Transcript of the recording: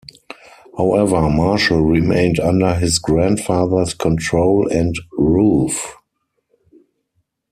However, Marshall remained under his grandfather's control and roof.